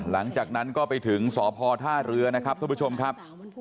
หลังจากนั้นก็ไปถึงสพท่าเรือนะครับท่านผู้ชมครับ